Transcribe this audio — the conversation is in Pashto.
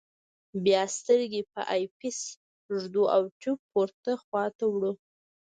بیا سترګه په آی پیس ږدو او ټیوب پورته خواته وړو.